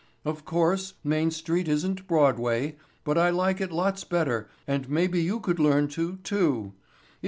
Of course, Main Street isn't Broadway, but I like it lots better and maybe you could learn to, too.